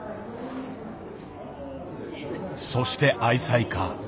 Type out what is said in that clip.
そして愛妻家。